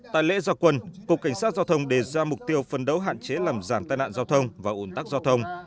tại lễ gia quân cục cảnh sát giao thông đề ra mục tiêu phân đấu hạn chế làm giảm tai nạn giao thông và ủn tắc giao thông